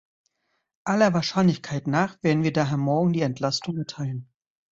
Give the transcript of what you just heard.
Aller Wahrscheinlichkeit nach werden wir daher morgen die Entlastung erteilen.